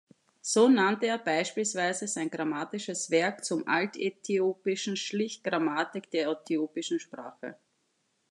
So nannte er beispielsweise sein grammatisches Werk zum Altäthiopischen schlicht "Grammatik der äthiopischen Sprache".